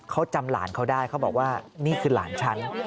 เขาจำหลานเขาได้เขาบอกว่านี่คือหลานฉัน